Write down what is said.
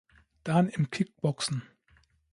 Dan im Kickboxen.